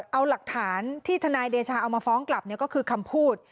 เอาหลักฐานที่ทนายเดชาเอามาฟ้องกลับก็คือคำพูด